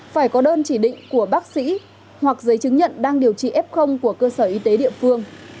phải có đơn chỉ định của bác sĩ hoặc giấy chứng nhận đang điều trị f của cơ sở y tế địa phương